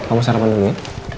kamu sarapan dulu ya